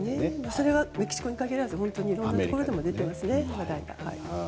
それはメキシコに限らずいろんなところで出ていますね、話題が。